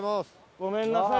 ごめんなさい。